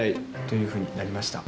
というふうになりました。